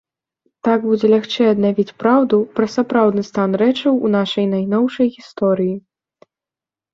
Так будзе лягчэй аднавіць праўду пра сапраўдны стане рэчаў у нашай найноўшай гісторыі.